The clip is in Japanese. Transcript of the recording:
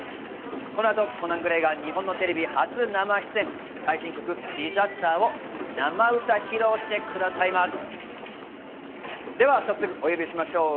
この後、コナン・グレイが日本のテレビ初生出演、最新曲『Ｄｉｓａｓｔｅｒ』を生歌披露してくださいます。